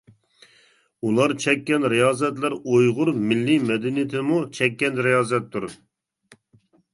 ئۇلار چەككەن رىيازەتلەر ئۇيغۇر مىللىي مەدەنىيىتىمۇ چەككەن رىيازەتتۇر.